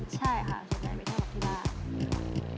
ใช่ค่ะไปเที่ยวกับที่บ้าน